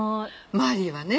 マリーはね